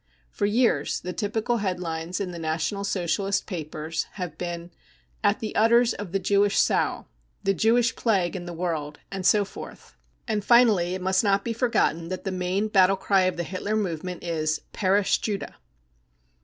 For years the typical headlines in the National Socialist papers have been :" At the udders of the Jewish sow, 55 " The Jewish Plague in the World, 55 and so forth. And finally it must not be forgotten that the main battle cry of the Hitler movement is :" Perish Judah